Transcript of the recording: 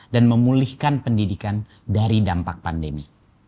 dan memulihkan pendidikan dari dampak pandemi